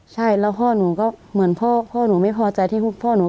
ใช่แล้วพ่อหนูก็เหมือนพ่อหนูไม่พอใจที่พ่อหนู